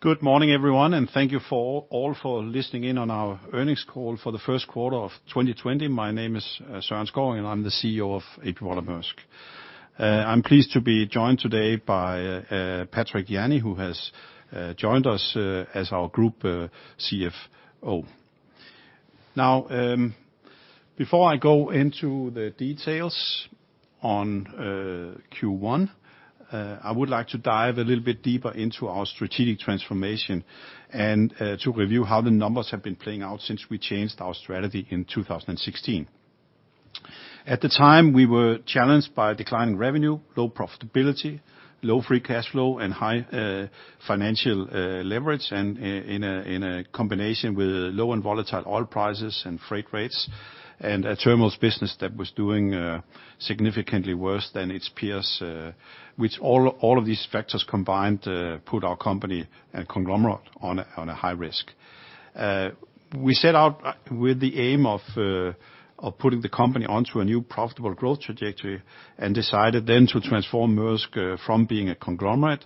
Good morning, everyone, and thank you all for listening in on our earnings call for the first quarter of 2020. My name is Søren Skou, and I'm the CEO of A.P. Møller - Mærsk. I'm pleased to be joined today by Patrick Jany, who has joined us as our Group CFO. Now, before I go into the details on Q1, I would like to dive a little bit deeper into our strategic transformation and to review how the numbers have been playing out since we changed our strategy in 2016. At the time, we were challenged by declining revenue, low profitability, low free cash flow, and high financial leverage, and in a combination with low and volatile oil prices and freight rates, and a terminals business that was doing significantly worse than its peers. Which all of these factors combined put our company conglomerate on a high risk. We set out with the aim of putting the company onto a new profitable growth trajectory decided then to transform Mærsk from being a conglomerate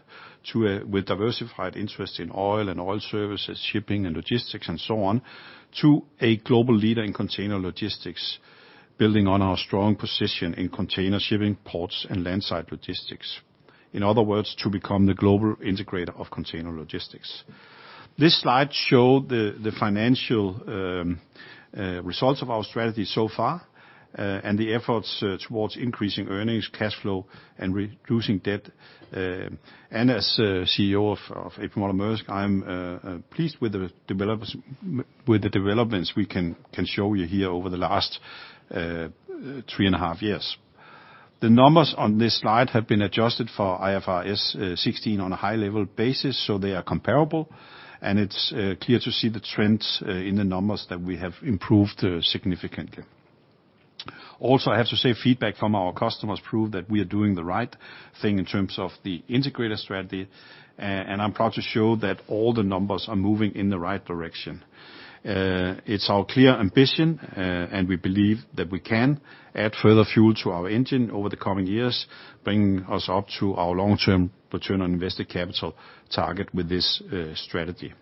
with diversified interest in oil and oil services, shipping and logistics and so on, to a global leader in container logistics, building on our strong position in container shipping, ports, and landside logistics. In other words, to become the global integrator of container logistics. This slide show the financial results of our strategy so far and the efforts towards increasing earnings, cash flow, and reducing debt. As A.P. Møller - Mærsk, i'm pleased with the developments we can show you here over the last three and a half years. The numbers on this slide have been adjusted for IFRS 16 on a high-level basis, they are comparable, it's clear to see the trends in the numbers that we have improved significantly. I have to say, feedback from our customers prove that we are doing the right thing in terms of the integrator strategy. I'm proud to show that all the numbers are moving in the right direction. It's our clear ambition, and we believe that we can add further fuel to our engine over the coming years, bringing us up to our long-term return on invested capital target with this strategy.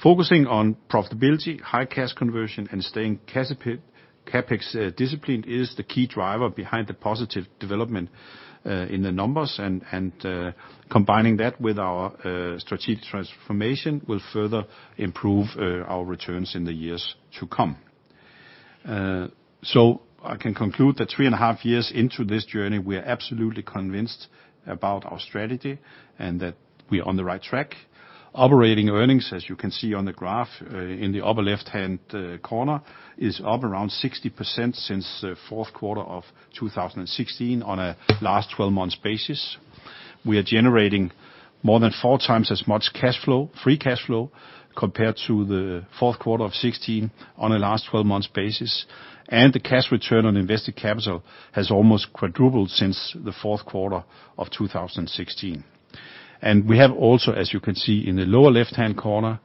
Focusing on profitability, high cash conversion, and staying CapEx-disciplined is the key driver behind the positive development in the numbers, and combining that with our strategic transformation will further improve our returns in the years to come. I can conclude that three and a half years into this journey, we are absolutely convinced about our strategy and that we are on the right track. Operating earnings, as you can see on the graph in the upper left-hand corner, is up around 60% since the fourth quarter of 2016 on a last 12 months basis. We are generating more than 4x as much cash flow, free cash flow, compared to the fourth quarter of 2016 on a last 12 months basis. The cash return on invested capital has almost quadrupled since the fourth quarter of 2016. We have also, as you can see in the lower left-hand corner,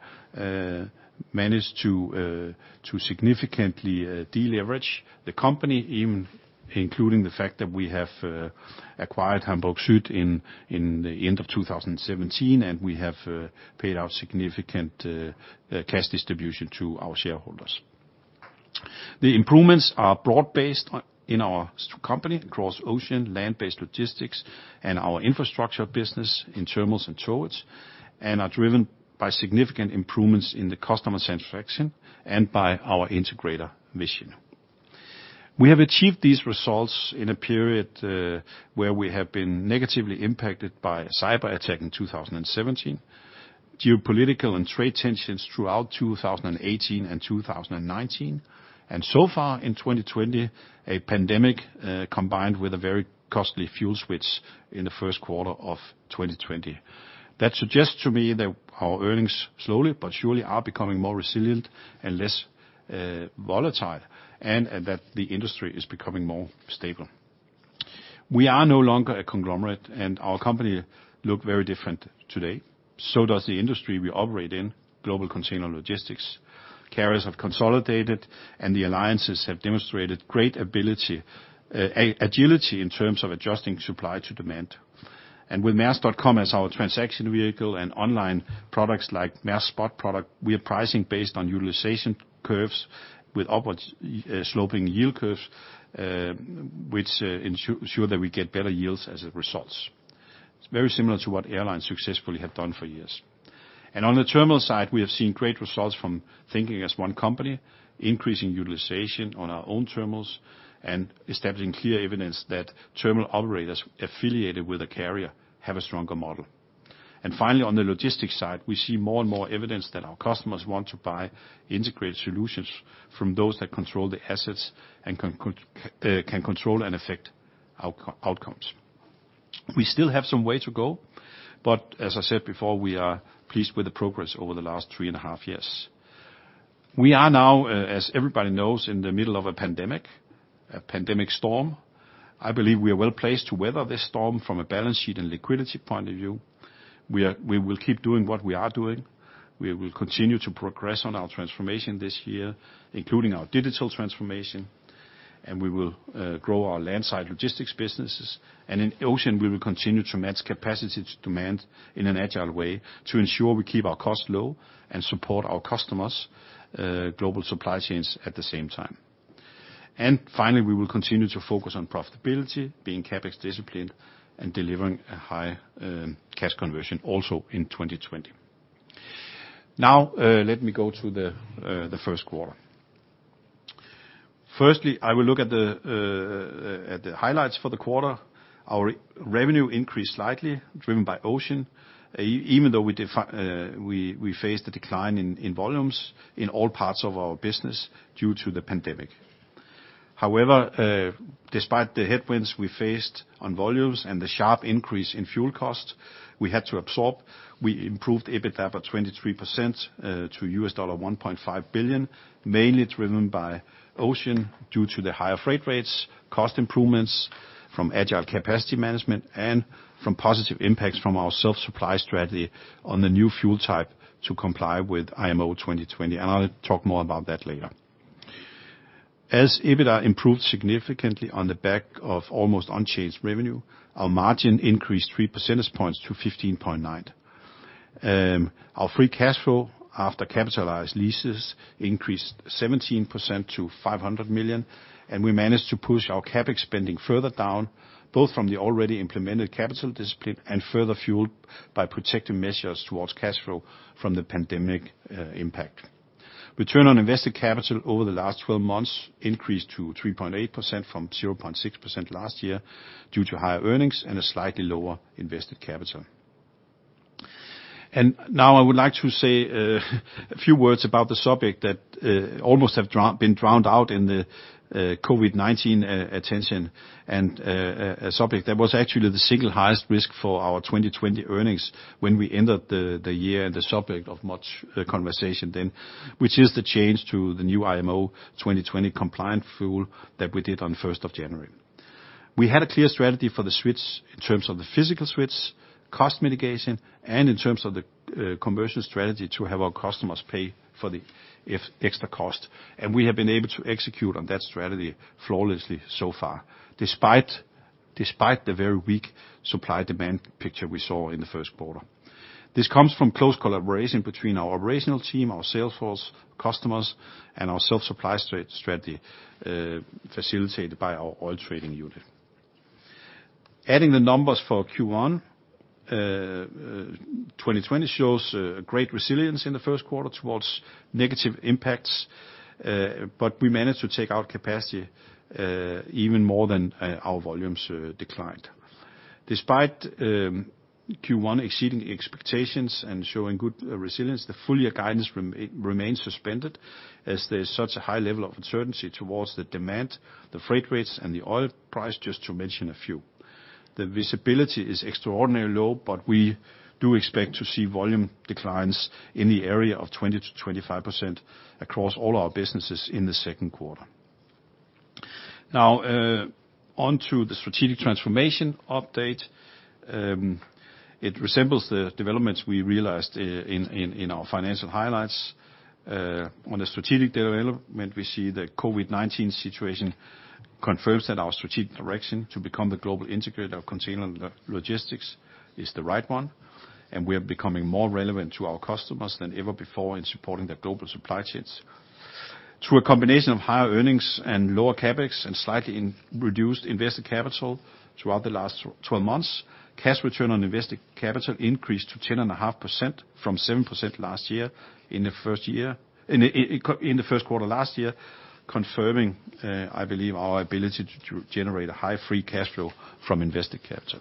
managed to significantly deleverage the company, including the fact that we have acquired Hamburg Süd in the end of 2017, and we have paid out significant cash distribution to our shareholders. The improvements are broad-based in our company across ocean, land-based logistics, and our infrastructure business in terminals and towage, and are driven by significant improvements in the customer satisfaction and by our integrator mission. We have achieved these results in a period where we have been negatively impacted by a cyberattack in 2017, geopolitical and trade tensions throughout 2018 and 2019, and so far in 2020, a pandemic combined with a very costly fuel switch in the first quarter of 2020. That suggests to me that our earnings, slowly but surely, are becoming more resilient and less volatile, and that the industry is becoming more stable. We are no longer a conglomerate, our company look very different today. Does the industry we operate in, global container logistics. Carriers have consolidated, the alliances have demonstrated great agility in terms of adjusting supply to demand. With maersk.com as our transaction vehicle and online products like Mærsk Spot, we are pricing based on utilization curves with upward sloping yield curves, which ensure that we get better yields as a result. It's very similar to what airlines successfully have done for years. On the terminal side, we have seen great results from thinking as one company, increasing utilization on our own terminals, and establishing clear evidence that terminal operators affiliated with a carrier have a stronger model. Finally, on the logistics side, we see more and more evidence that our customers want to buy integrated solutions from those that control the assets and can control and affect outcomes. We still have some way to go, but as I said before, we are pleased with the progress over the last three and a half years. We are now, as everybody knows, in the middle of a pandemic, a pandemic storm. I believe we are well-placed to weather this storm from a balance sheet and liquidity point of view. We will keep doing what we are doing. We will continue to progress on our transformation this year, including our digital transformation. We will grow our land site logistics businesses. In Ocean, we will continue to match capacity to demand in an agile way to ensure we keep our costs low and support our customers' global supply chains at the same time. Finally, we will continue to focus on profitability, being CapEx disciplined, and delivering a high cash conversion also in 2020. Let me go to the first quarter. Firstly, I will look at the highlights for the quarter. Our revenue increased slightly, driven by Ocean, even though we faced a decline in volumes in all parts of our business due to the pandemic. However, despite the headwinds we faced on volumes and the sharp increase in fuel costs we had to absorb, we improved EBITDA by 23% to $1.5 billion, mainly driven by Ocean due to the higher freight rates, cost improvements from agile capacity management, and from positive impacts from our self-supply strategy on the new fuel type to comply with IMO 2020, and I'll talk more about that later. As EBITDA improved significantly on the back of almost unchanged revenue, our margin increased 3 percentage points to 15.9%. Our free cash flow after capitalized leases increased 17% to $500 million, and we managed to push our CapEx spending further down, both from the already implemented capital discipline and further fueled by protective measures towards cash flow from the pandemic impact. Return on invested capital over the last 12 months increased to 3.8% from 0.6% last year due to higher earnings and a slightly lower invested capital. Now I would like to say a few words about the subject that almost have been drowned out in the COVID-19 attention, and a subject that was actually the single highest risk for our 2020 earnings when we ended the year, and the subject of much conversation then, which is the change to the new IMO 2020-compliant fuel that we did on January 1st. We had a clear strategy for the switch in terms of the physical switch, cost mitigation, and in terms of the commercial strategy to have our customers pay for the extra cost. We have been able to execute on that strategy flawlessly so far, despite the very weak supply-demand picture we saw in the first quarter. This comes from close collaboration between our operational team, our sales force, customers, and our self-supply strategy, facilitated by our oil trading unit. Adding the numbers for Q1 2020 shows a great resilience in the first quarter towards negative impacts, but we managed to take out capacity even more than our volumes declined. Despite Q1 exceeding expectations and showing good resilience, the full-year guidance remains suspended, as there's such a high level of uncertainty towards the demand, the freight rates, and the oil price, just to mention a few. The visibility is extraordinarily low, we do expect to see volume declines in the area of 20%-25% across all our businesses in the second quarter. On to the strategic transformation update. It resembles the developments we realized in our financial highlights. On the strategic development, we see the COVID-19 situation confirms that our strategic direction to become the global integrator of container logistics is the right one, we are becoming more relevant to our customers than ever before in supporting their global supply chains. Through a combination of higher earnings and lower CapEx and slightly reduced invested capital throughout the last 12 months, cash return on invested capital increased to 10.5% from 7% last year in the first quarter last year, confirming, I believe, our ability to generate a high free cash flow from invested capital.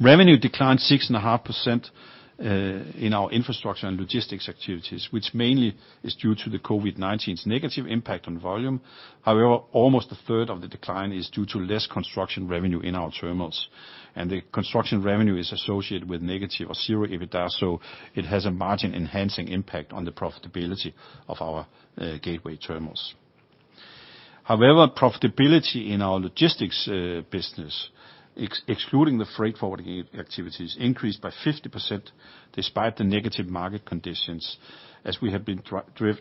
Revenue declined 6.5% in our infrastructure and logistics activities, which mainly is due to the COVID-19's negative impact on volume. Almost a third of the decline is due to less construction revenue in our terminals, and the construction revenue is associated with negative or zero EBITDA, so it has a margin-enhancing impact on the profitability of our gateway terminals. Profitability in our logistics business, excluding the sea freight forwarding activities, increased by 50% despite the negative market conditions, as we have been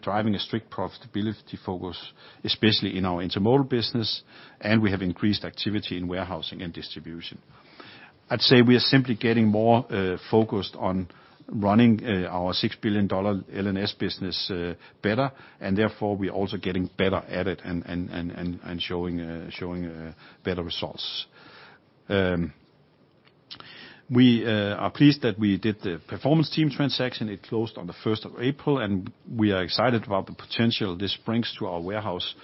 driving a strict profitability focus, especially in our intermodal business, and we have increased activity in warehousing and distribution. We are simply getting more focused on running our $6 billion L&S business better, and therefore, we're also getting better at it and showing better results. We are pleased that we did the Performance Team transaction. It closed on April 1st. We are excited about the potential this brings to our warehouse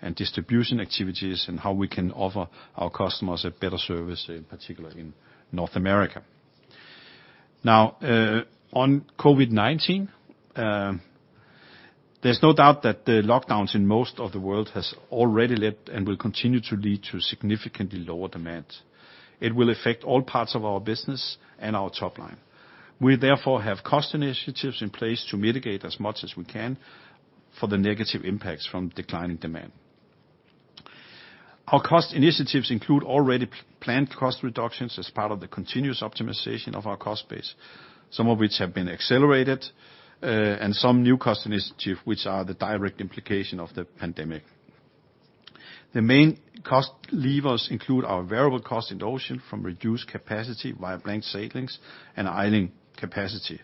and distribution activities and how we can offer our customers a better service, in particular in North America. On COVID-19, there's no doubt that the lockdowns in most of the world has already led and will continue to lead to significantly lower demand. It will affect all parts of our business and our top line. We therefore have cost initiatives in place to mitigate as much as we can for the negative impacts from declining demand. Our cost initiatives include already planned cost reductions as part of the continuous optimization of our cost base, some of which have been accelerated, and some new cost initiatives which are the direct implication of the pandemic. The main cost levers include our variable cost in Ocean from reduced capacity via blanked sailings and idling capacity.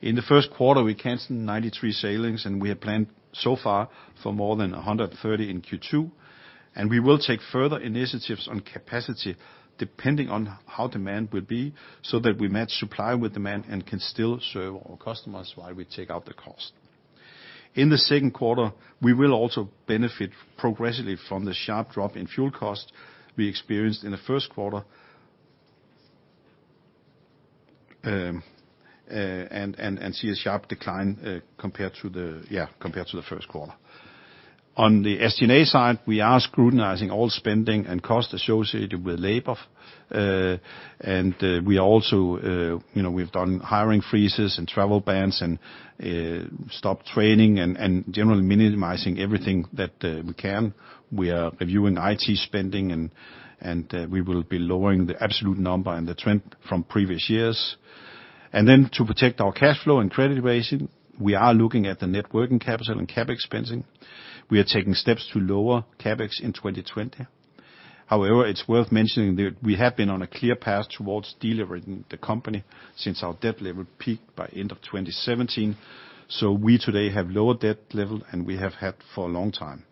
In the first quarter, we canceled 93 sailings, and we have planned so far for more than 130 in Q2, and we will take further initiatives on capacity depending on how demand will be, so that we match supply with demand and can still serve our customers while we take out the cost. In the second quarter, we will also benefit progressively from the sharp drop in fuel cost we experienced in the first quarter, and see a sharp decline compared to the first quarter. On the SG&A side, we are scrutinizing all spending and cost associated with labor. We've done hiring freezes and travel bans and stopped training and generally minimizing everything that we can. We are reviewing IT spending. We will be lowering the absolute number and the trend from previous years. To protect our cash flow and credit rating, we are looking at the net working capital and CapEx spending. We are taking steps to lower CapEx in 2020. However, it's worth mentioning that we have been on a clear path towards de-leveraging the company since our debt level peaked by end of 2017. We today have lower debt level than we have had for a long time,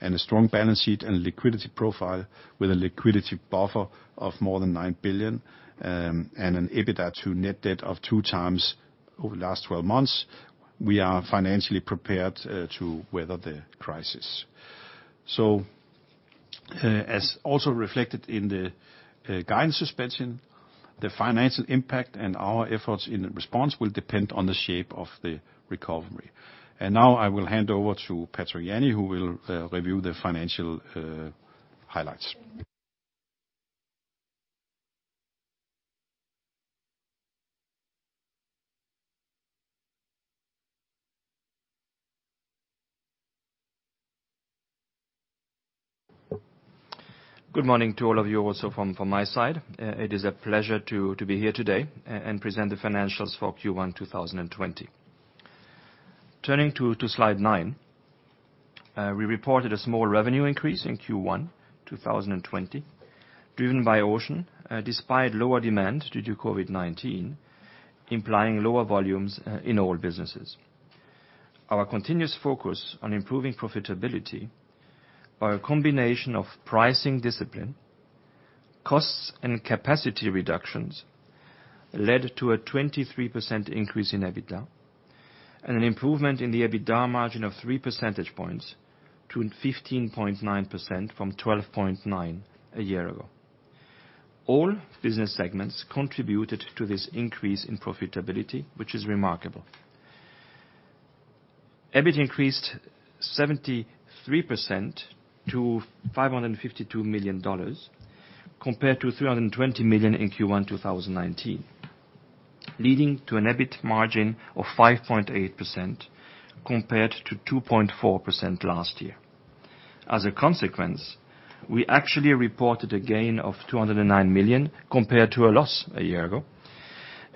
and a strong balance sheet and liquidity profile with a liquidity buffer of more than $9 billion and an EBITDA to net debt of 2x over the last 12 months. We are financially prepared to weather the crisis. As also reflected in the guidance suspension, the financial impact and our efforts in the response will depend on the shape of the recovery. Now I will hand over to Patrick Jany, who will review the financial highlights. Good morning to all of you also from my side. It is a pleasure to be here today and present the financials for Q1 2020. Turning to slide nine. We reported a small revenue increase in Q1 2020, driven by Ocean, despite lower demand due to COVID-19, implying lower volumes in all businesses. Our continuous focus on improving profitability by a combination of pricing discipline, costs, and capacity reductions led to a 23% increase in EBITDA and an improvement in the EBITDA margin of 3 percentage points to 15.9% from 12.9% a year ago. All business segments contributed to this increase in profitability, which is remarkable. EBIT increased 73% to $552 million compared to $320 million in Q1 2019, leading to an EBIT margin of 5.8% compared to 2.4% last year. As a consequence, we actually reported a gain of $209 million compared to a loss a year ago,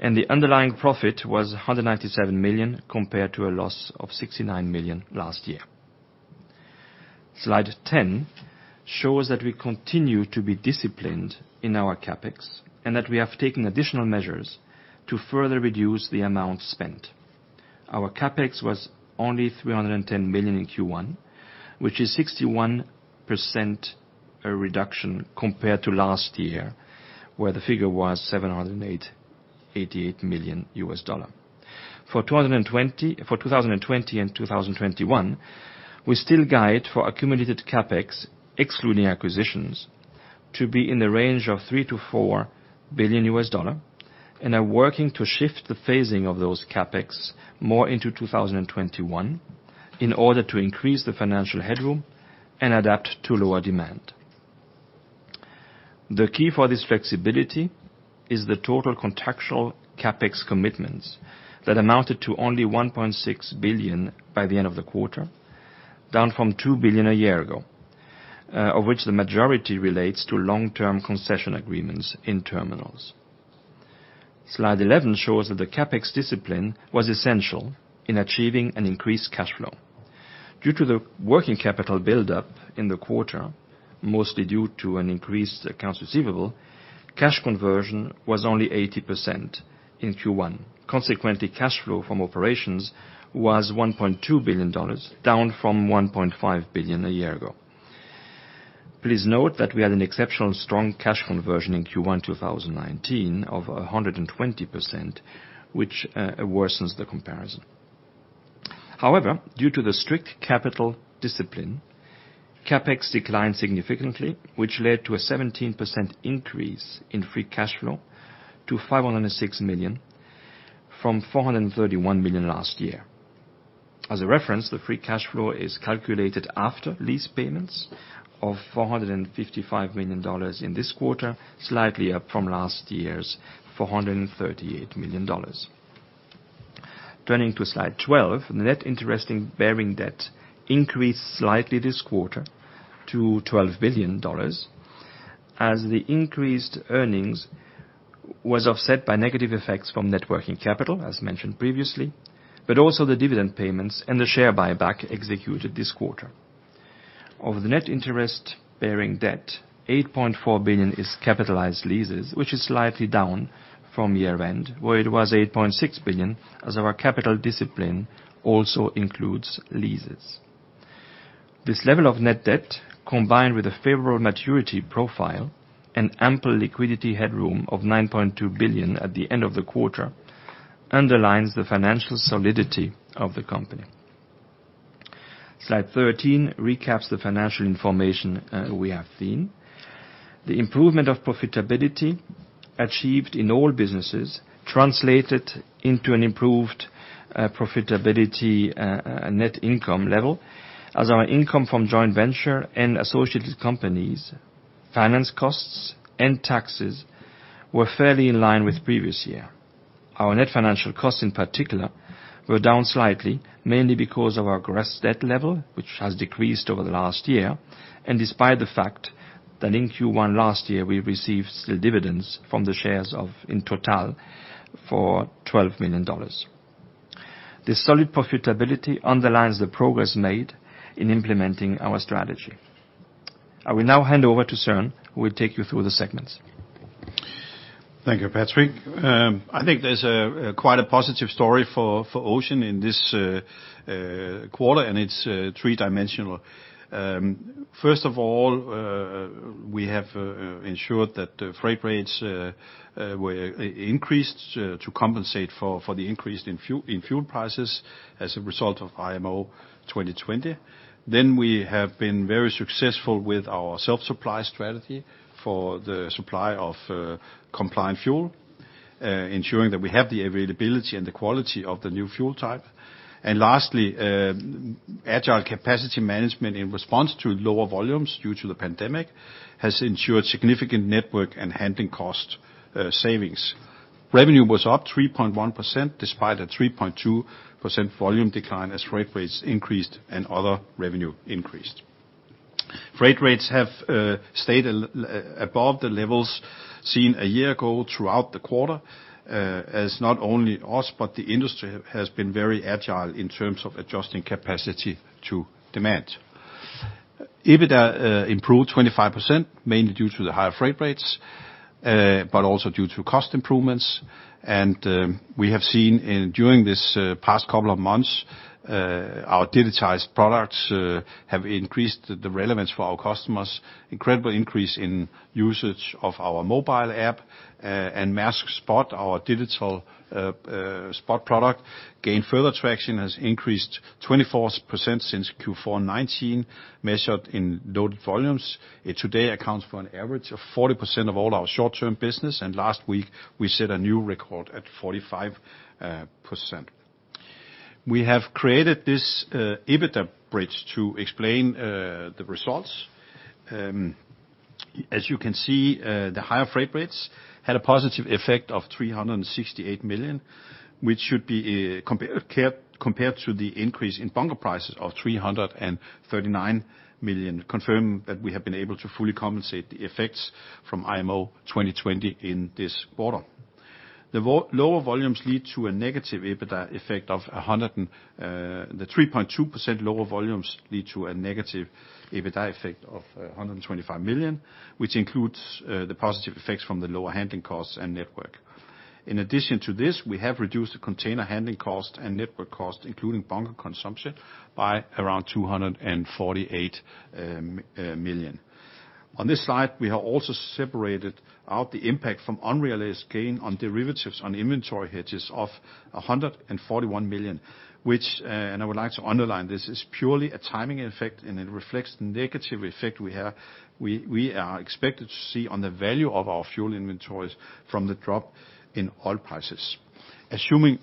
and the underlying profit was $197 million compared to a loss of $69 million last year. Slide 10 shows that we continue to be disciplined in our CapEx and that we have taken additional measures to further reduce the amount spent. Our CapEx was only $310 million in Q1, which is 61% reduction compared to last year, where the figure was $788 million. For 2020 and 2021, we still guide for accumulated CapEx, excluding acquisitions, to be in the range of $3 billion-$4 billion, and are working to shift the phasing of those CapEx more into 2021 in order to increase the financial headroom and adapt to lower demand. The key for this flexibility is the total contractual CapEx commitments that amounted to only $1.6 billion by the end of the quarter, down from $2 billion a year ago, of which the majority relates to long-term concession agreements in terminals. Slide 11 shows that the CapEx discipline was essential in achieving an increased cash flow. Due to the working capital buildup in the quarter, mostly due to an increased accounts receivable, cash conversion was only 80% in Q1. Consequently, cash flow from operations was $1.2 billion, down from $1.5 billion a year ago. Please note that we had an exceptional strong cash conversion in Q1 2019 of 120%, which worsens the comparison. However, due to the strict capital discipline, CapEx declined significantly, which led to a 17% increase in free cash flow to $506 million from $431 million last year. As a reference, the free cash flow is calculated after lease payments of $455 million in this quarter, slightly up from last year's $438 million. Turning to slide 12. The net interest-bearing debt increased slightly this quarter to $12 billion, as the increased earnings was offset by negative effects from net working capital, as mentioned previously, but also the dividend payments and the share buyback executed this quarter. Of the net interest-bearing debt, $8.4 billion is capitalized leases, which is slightly down from year-end, where it was $8.6 billion, as our capital discipline also includes leases. This level of net debt, combined with a favorable maturity profile and ample liquidity headroom of $9.2 billion at the end of the quarter, underlines the financial solidity of the company. Slide 13 recaps the financial information we have seen. The improvement of profitability achieved in all businesses translated into an improved profitability net income level, as our income from joint venture and associated companies' finance costs and taxes were fairly in line with previous year. Our net financial costs, in particular, were down slightly, mainly because of our gross debt level, which has decreased over the last year, and despite the fact that in Q1 last year, we received still dividends from the shares of, in total, for $12 million. This solid profitability underlines the progress made in implementing our strategy. I will now hand over to Søren, who will take you through the segments. Thank you, Patrick. I think there's quite a positive story for Ocean in this quarter, and it's three-dimensional. First of all, we have ensured that freight rates were increased to compensate for the increase in fuel prices as a result of IMO 2020. We have been very successful with our self-supply strategy for the supply of compliant fuel, ensuring that we have the availability and the quality of the new fuel type. Lastly, agile capacity management in response to lower volumes due to the pandemic, has ensured significant network and handling cost savings. Revenue was up 3.1%, despite a 3.2% volume decline as freight rates increased and other revenue increased. Freight rates have stayed above the levels seen a year ago throughout the quarter, as not only us, but the industry, has been very agile in terms of adjusting capacity to demand. EBITDA improved 25%, mainly due to the higher freight rates, also due to cost improvements. We have seen during this past couple of months, our digitized products have increased the relevance for our customers. Incredible increase in usage of our mobile app and Mærsk Spot, our digital spot product gained further traction, has increased 24% since Q4 2019, measured in loaded volumes. It today accounts for an average of 40% of all our short-term business, last week, we set a new record at 45%. We have created this EBITDA bridge to explain the results. As you can see, the higher freight rates had a positive effect of $368 million, which should be compared to the increase in bunker prices of $339 million, confirming that we have been able to fully compensate the effects from IMO 2020 in this quarter. The 3.2% lower volumes lead to a negative EBITDA effect of $125 million, which includes the positive effects from the lower handling costs and network. In addition to this, we have reduced the container handling cost and network cost, including bunker consumption, by around $248 million. On this slide, we have also separated out the impact from unrealized gain on derivatives on inventory hedges of $141 million, which, and I would like to underline this, is purely a timing effect, and it reflects the negative effect we are expected to see on the value of our fuel inventories from the drop in oil prices. Assuming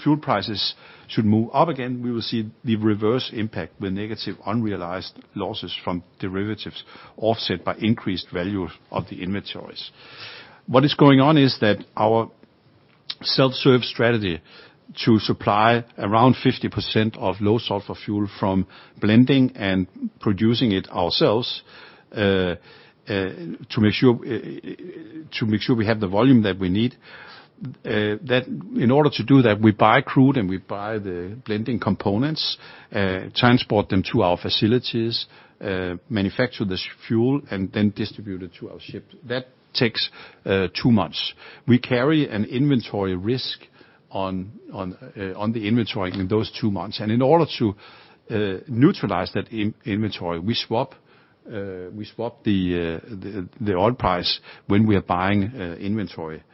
fuel prices should move up again, we will see the reverse impact, the negative unrealized losses from derivatives offset by increased value of the inventories. What is going on is that our self-serve strategy to supply around 50% of low sulfur fuel from blending and producing it ourselves, to make sure we have the volume that we need. In order to do that, we buy crude and we buy the blending components, transport them to our facilities, manufacture this fuel, and then distribute it to our ships. That takes two months. We carry an inventory risk on the inventory in those two months. In order to neutralize that inventory, we swap the oil price when we are buying inventory,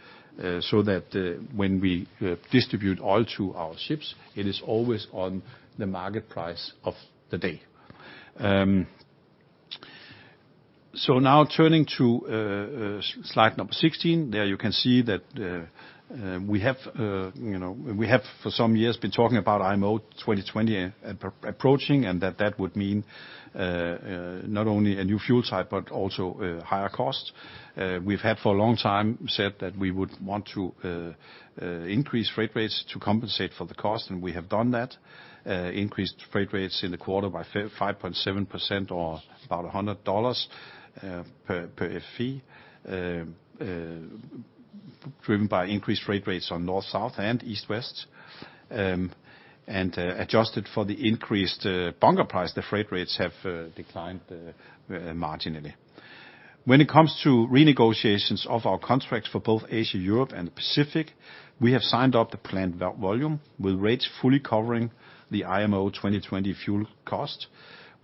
so that when we distribute oil to our ships, it is always on the market price of the day. Now turning to slide number 16. There you can see that we have for some years been talking about IMO 2020 approaching, and that that would mean not only a new fuel type, but also higher costs. We've for a long time said that we would want to increase freight rates to compensate for the cost, and we have done that. Increased freight rates in the quarter by 5.7% or about DKK 100 per FEU, driven by increased freight rates on North-South and East-West, and adjusted for the increased bunker price, the freight rates have declined marginally. When it comes to renegotiations of our contracts for both Asia, Europe, and the Pacific, we have signed up the planned volume, with rates fully covering the IMO 2020 fuel cost.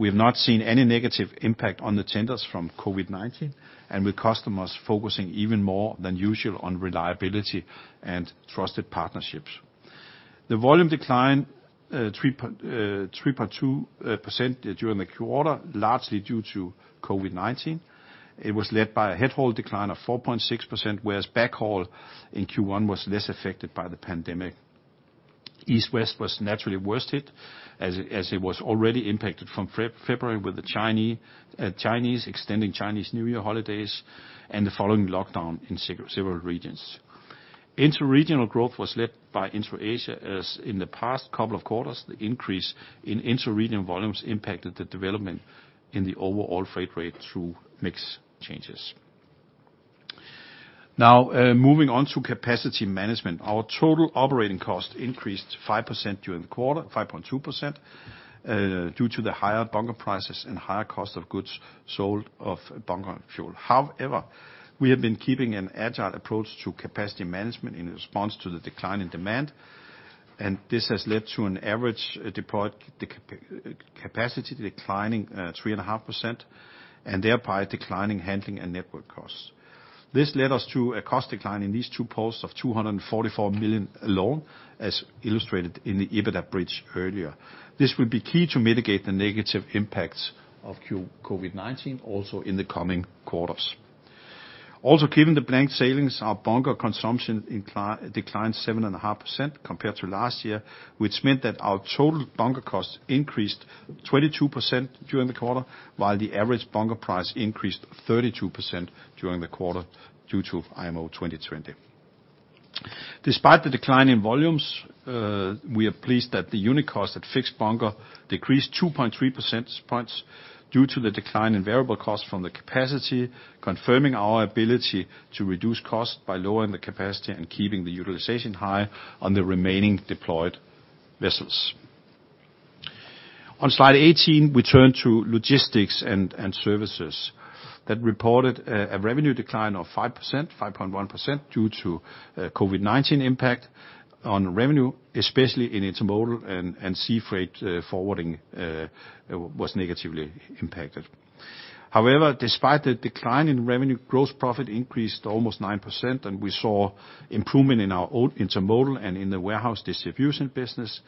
We have not seen any negative impact on the tenders from COVID-19, and with customers focusing even more than usual on reliability and trusted partnerships. The volume declined 3.2% during the quarter, largely due to COVID-19. It was led by a head-haul decline of 4.6%, whereas backhaul in Q1 was less affected by the pandemic. East-West was naturally worst hit, as it was already impacted from February with the Chinese extending Chinese New Year holidays and the following lockdown in several regions. inter-regional growth was led by Interasia, as in the past couple of quarters, the increase in inter-regional volumes impacted the development in the overall freight rate through mix changes. Moving on to capacity management. Our total operating cost increased 5% during the quarter, 5.2%, due to the higher bunker prices and higher cost of goods sold of bunker fuel. However, we have been keeping an agile approach to capacity management in response to the decline in demand, and this has led to an average deployed capacity declining 3.5%, and thereby declining handling and network costs. This led us to a cost decline in these two posts of $244 million alone, as illustrated in the EBITDA bridge earlier. This will be key to mitigate the negative impacts of COVID-19 also in the coming quarters. Also given the blank sailings, our bunker consumption declined 7.5% compared to last year, which meant that our total bunker costs increased 22% during the quarter, while the average bunker price increased 32% during the quarter due to IMO 2020. Despite the decline in volumes, we are pleased that the unit cost at fixed bunker decreased 2.3% points due to the decline in variable cost from the capacity, confirming our ability to reduce cost by lowering the capacity and keeping the utilization high on the remaining deployed vessels. On slide 18, we turn to logistics and services that reported a revenue decline of 5%, 5.1% due to COVID-19 impact on revenue, especially in Intermodal and sea freight forwarding was negatively impacted. Despite the decline in revenue, gross profit increased almost 9% and we saw improvement in our own Intermodal and in the warehouse distribution business.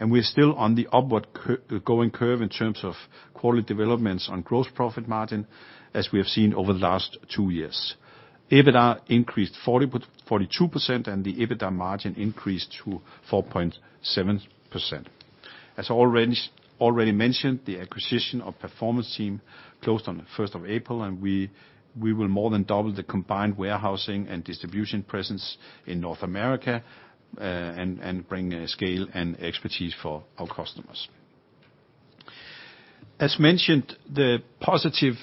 We're still on the upward-going curve in terms of quality developments on gross profit margin, as we have seen over the last two years. EBITDA increased 42% and the EBITDA margin increased to 4.7%. As already mentioned, the acquisition of Performance Team closed on April 1st, and we will more than double the combined warehousing and distribution presence in North America, and bring scale and expertise for our customers. As mentioned, the positive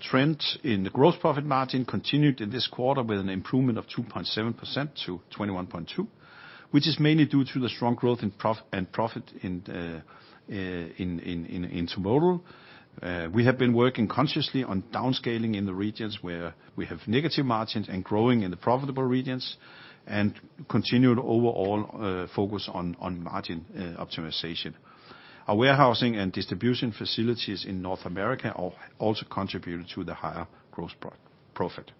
trend in the gross profit margin continued in this quarter with an improvement of 2.7%-21.2%, which is mainly due to the strong growth and profit in Intermodal. We have been working consciously on downscaling in the regions where we have negative margins and growing in the profitable regions, and continued overall focus on margin optimization. Our warehousing and distribution facilities in North America also contributed to the higher gross profit.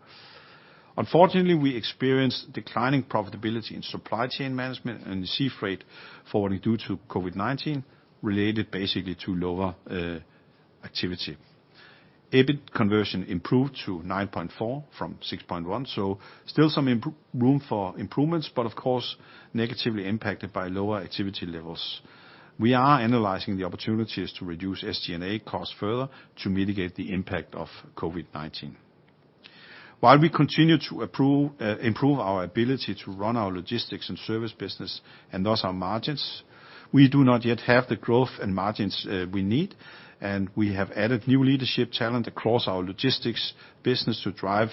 Unfortunately, we experienced declining profitability in supply chain management and Sea Freight Forwarding due to COVID-19, related basically to lower activity. EBIT conversion improved to 9.4% from 6.1%, so still some room for improvements, but of course, negatively impacted by lower activity levels. We are analyzing the opportunities to reduce SG&A costs further to mitigate the impact of COVID-19. While we continue to improve our ability to run our logistics and services business, and thus our margins, we do not yet have the growth and margins we need. We have added new leadership talent across our logistics business to drive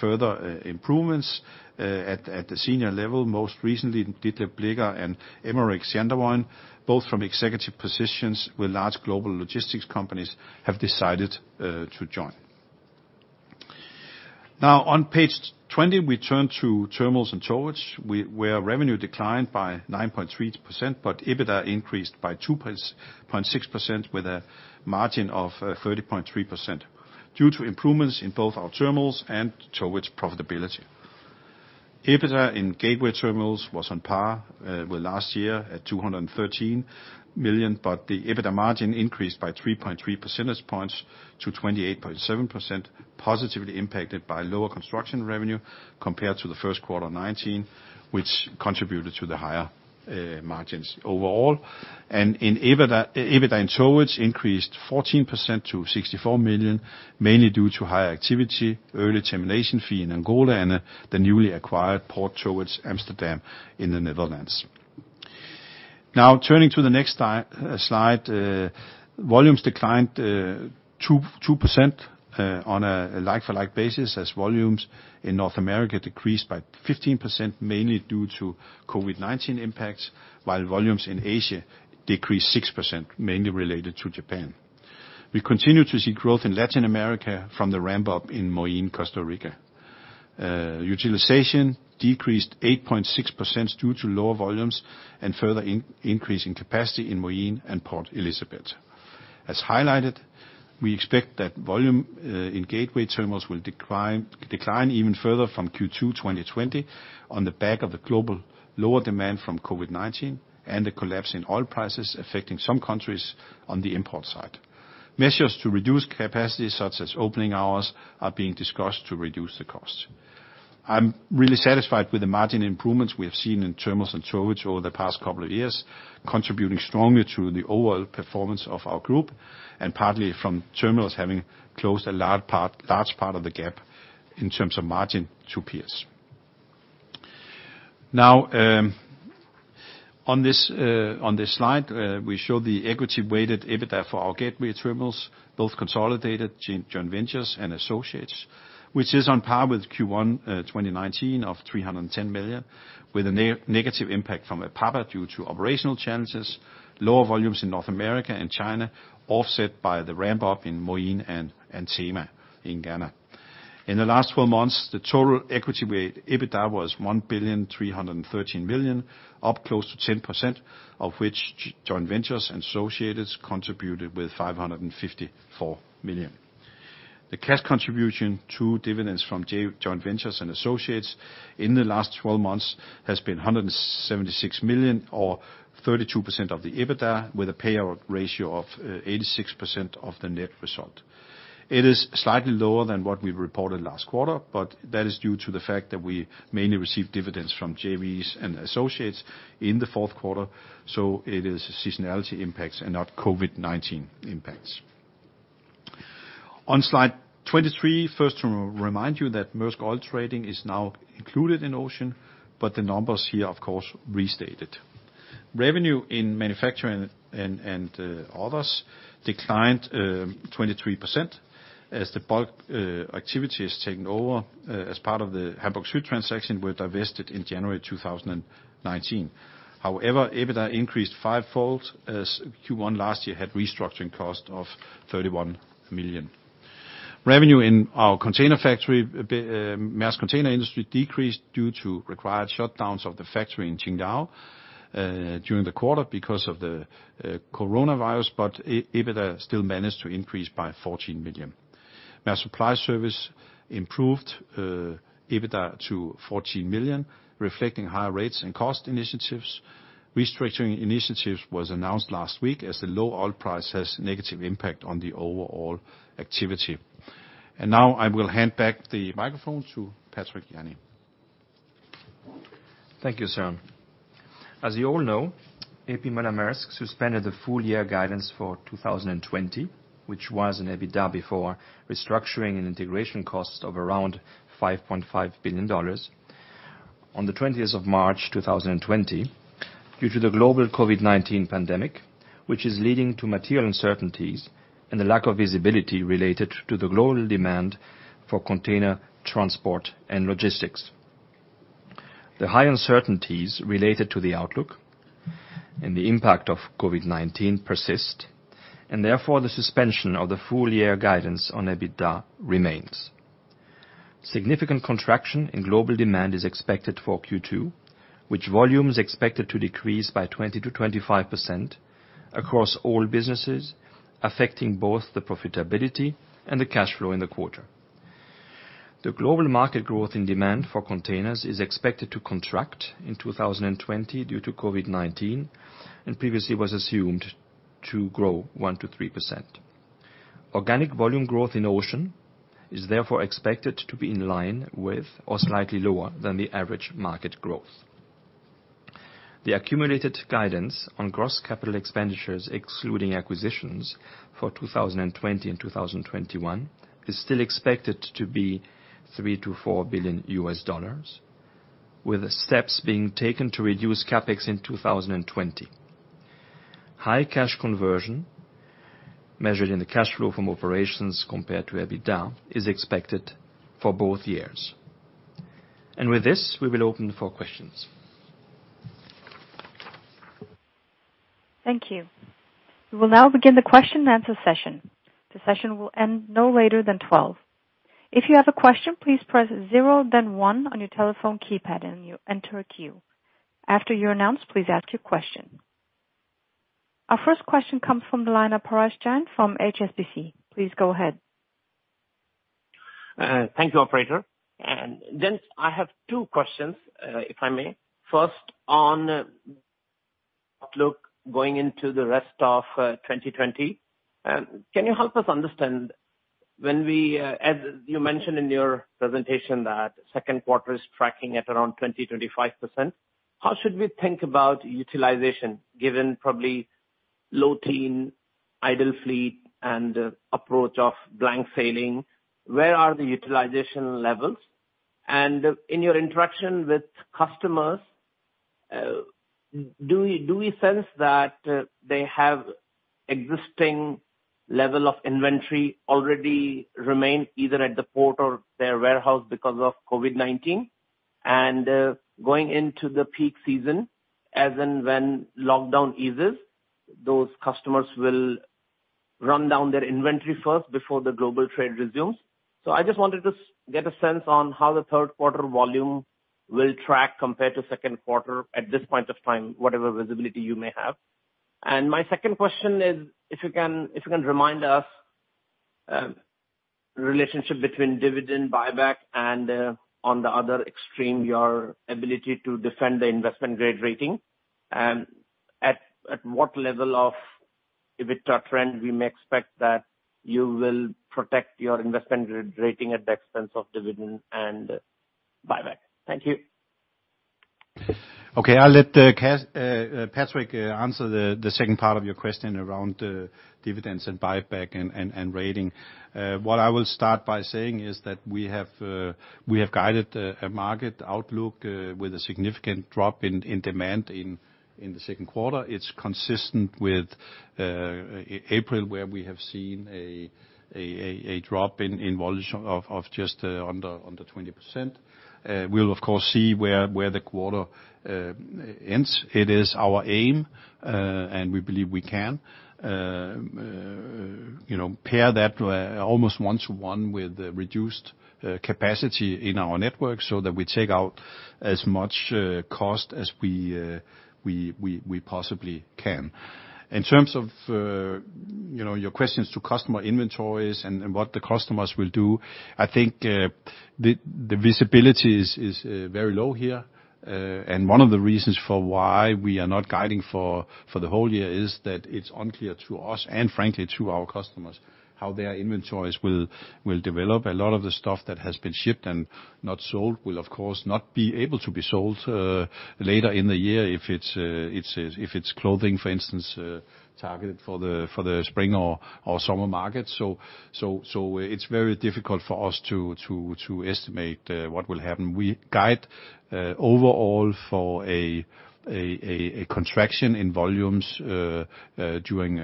further improvements at the senior level. Most recently, Ditlev Blicher and Aymeric Chandavoine, both from executive positions with large global logistics companies, have decided to join. On page 20, we turn to terminals and tows, where revenue declined by 9.3%, EBITDA increased by 2.6% with a margin of 30.3% due to improvements in both our terminals and towage profitability. EBITDA in gateway terminals was on par with last year at $213 million, the EBITDA margin increased by 3.3 percentage points to 28.7%, positively impacted by lower construction revenue compared to the first quarter of 2019, which contributed to the higher margins overall. EBITDA in towage increased 14% to $64 million, mainly due to high activity, early termination fee in Angola and the newly acquired Port Towage Amsterdam in the Netherlands. Turning to the next slide. Volumes declined 2% on a like-for-like basis, as volumes in North America decreased by 15%, mainly due to COVID-19 impacts, while volumes in Asia decreased 6%, mainly related to Japan. We continue to see growth in Latin America from the ramp-up in Moín, Costa Rica. Utilization decreased 8.6% due to lower volumes and further increase in capacity in Moín and Port Elizabeth. As highlighted, we expect that volume in gateway terminals will decline even further from Q2 2020 on the back of the global lower demand from COVID-19 and the collapse in oil prices affecting some countries on the import side. Measures to reduce capacity, such as opening hours, are being discussed to reduce the cost. I'm really satisfied with the margin improvements we have seen in terminals and towage over the past couple of years, contributing strongly to the overall performance of our group, and partly from terminals having closed a large part of the gap in terms of margin to peers. Now, on this slide, we show the equity-weighted EBITDA for our gateway terminals, both consolidated joint ventures and associates, which is on par with Q1 2019 of $310 million, with a negative impact from Apapa due to operational challenges. Lower volumes in North America and China offset by the ramp-up in Moín and Tema in Ghana. In the last 12 months, the total equity-weighted EBITDA was $1,313 million, up close to 10%, of which joint ventures and associates contributed with $554 million. The cash contribution to dividends from joint ventures and associates in the last 12 months has been $176 million, or 32% of the EBITDA, with a payout ratio of 86% of the net result. It is slightly lower than what we reported last quarter. That is due to the fact that we mainly receive dividends from JVs and associates in the fourth quarter, so it is seasonality impacts and not COVID-19 impacts. On slide 23, first to remind you that Mærsk Oil Trading is now included in Ocean. The numbers here, of course, restated. Revenue in manufacturing and others declined 23% as the bulk activities taken over as part of the Hamburg Süd transaction were divested in January 2019. However, EBITDA increased fivefold, as Q1 last year had restructuring costs of $31 million. Revenue in our Mærsk Container Industry decreased due to required shutdowns of the factory in Qingdao during the quarter because of the coronavirus. EBITDA still managed to increase by $14 million. Mærsk Supply Service improved EBITDA to $14 million, reflecting higher rates and cost initiatives. Restructuring initiatives was announced last week as the low oil price has a negative impact on the overall activity. Now I will hand back the microphone to Patrick Jany. Thank you, Søren. As you A.P. Møller - Mærsk suspended the full year guidance for 2020, which was an EBITDA before restructuring and integration cost of around $5.5 billion. On March 20th, 2020, due to the global COVID-19 pandemic, which is leading to material uncertainties and the lack of visibility related to the global demand for container transport and logistics. The high uncertainties related to the outlook and the impact of COVID-19 persist, therefore the suspension of the full year guidance on EBITDA remains. Significant contraction in global demand is expected for Q2, which volume is expected to decrease by 20%-25% across all businesses, affecting both the profitability and the cash flow in the quarter. The global market growth in demand for containers is expected to contract in 2020 due to COVID-19, and previously was assumed to grow 1%-3%. Organic volume growth in Ocean is therefore expected to be in line with or slightly lower than the average market growth. The accumulated guidance on gross capital expenditures, excluding acquisitions for 2020 and 2021, is still expected to be $3 billion-$4 billion, with steps being taken to reduce CapEx in 2020. High cash conversion, measured in the cash flow from operations compared to EBITDA, is expected for both years. With this, we will open for questions. Thank you. We will now begin the question-and-answer session. The session will end no later than 12:00 P.M. If you have a question, please press zero then one on your telephone keypad, and you enter a queue. After you're announced, please ask your question. Our first question comes from the line of Parash Jain from HSBC. Please go ahead. Thank you, operator. Gents, I have two questions, if I may. First, on outlook going into the rest of 2020, can you help us understand, as you mentioned in your presentation, that second quarter is tracking at around 20%-25%. How should we think about utilization, given probably low teens, idle fleet, and approach of blank sailings? Where are the utilization levels? In your interaction with customers, do we sense that they have existing level of inventory already remained either at the port or their warehouse because of COVID-19? Going into the peak season, as in when lockdown eases, those customers will run down their inventory first before the global trade resumes. I just wanted to get a sense on how the third quarter volume will track compared to second quarter at this point of time, whatever visibility you may have. My second question is, if you can remind us, relationship between dividend buyback and on the other extreme, your ability to defend the investment-grade rating. At what level of EBITDA trend we may expect that you will protect your investment rating at the expense of dividend and buyback. Thank you. Okay. I'll let Patrick answer the second part of your question around dividends and buyback and rating. What I will start by saying is that we have guided a market outlook with a significant drop in demand in the second quarter. It's consistent with April, where we have seen a drop in volume of just under 20%. We'll of course see where the quarter ends. It is our aim, and we believe we can pair that almost one-to-one with reduced capacity in our network so that we take out as much cost as we possibly can. In terms of your questions to customer inventories and what the customers will do, I think the visibility is very low here. One of the reasons for why we are not guiding for the whole year is that it's unclear to us, and frankly, to our customers, how their inventories will develop. A lot of the stuff that has been shipped and not sold will, of course, not be able to be sold later in the year if it's clothing, for instance targeted for the spring or summer market. It's very difficult for us to estimate what will happen. We guide overall for a contraction in volumes during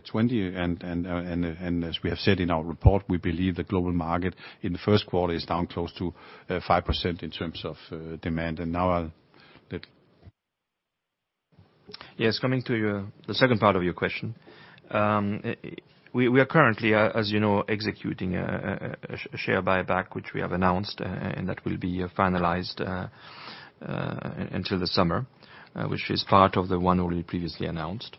2020. As we have said in our report, we believe the global market in the first quarter is down close to 5% in terms of demand. Now I'll let. Yes. Coming to the second part of your question. We are currently, as you know, executing a share buyback, which we have announced, and that will be finalized until the summer, which is part of the one already previously announced.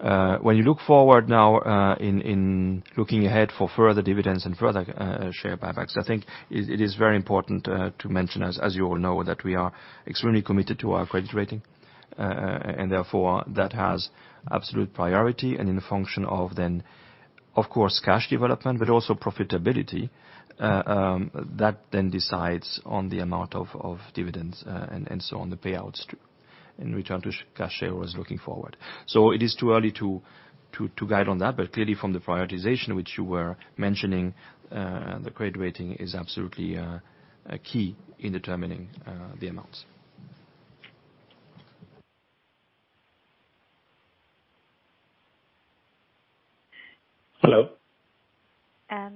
When you look forward now in looking ahead for further dividends and further share buybacks, I think it is very important to mention, as you all know, that we are extremely committed to our credit rating. Therefore, that has absolute priority, and in function of then, of course, cash development, but also profitability, that then decides on the amount of dividends and so on, the payouts too, in return to cash shareholder was looking forward. It is too early to guide on that, but clearly from the prioritization which you were mentioning, the credit rating is absolutely key in determining the amounts. Thank you.